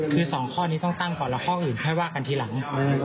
คือ๒ข้อนี้ต้องตั้งก่อนแล้วข้ออื่นค่อยว่ากันทีหลัง